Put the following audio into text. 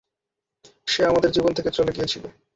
সে আমাদের জীবন থেকে চলে গিয়েছিল।